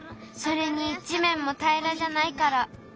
それにじめんもたいらじゃないから。